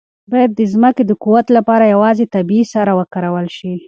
باید د ځمکې د قوت لپاره یوازې طبیعي سره وکارول شي.